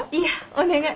「お願い。